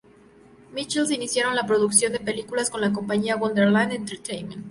Michaels iniciaron la producción de películas con la compañía Wonderland Entertainment.